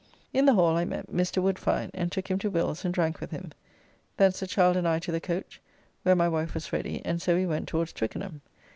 In the Hall I met Mr. Woodfine, and took him to Will's and drank with him. Thence the child and I to the coach, where my wife was ready, and so we went towards Twickenham.